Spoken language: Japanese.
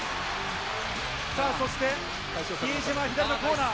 さあそして、比江島左のコーナー。